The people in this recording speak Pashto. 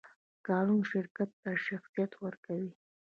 قانون شرکت ته شخصیت ورکوي.